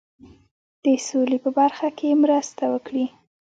د سولي په برخه کې مرسته وکړي.